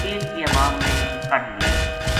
کیل کی عوام نے کڈھ لیا